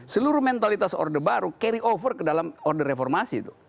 seluruh mentalitas orde baru carry over ke dalam order reformasi itu